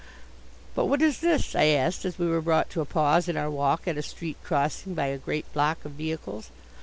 "But what is this?" I asked as we were brought to a pause in our walk at a street crossing by a great block of vehicles.